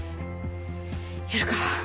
やるか！